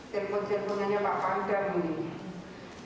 terpukul terpukulnya pak pang dan ini